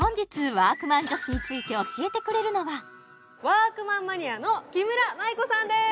ワークマン女子について教えてくれるのはワークマンマニアの木村麻衣子さんです！